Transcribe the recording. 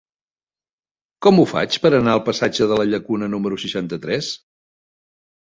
Com ho faig per anar al passatge de la Llacuna número seixanta-tres?